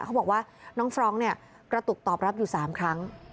เขาบอกว่าน้องฟรองก์เนี่ยกระตุกตอบรับอยู่๓ครั้ง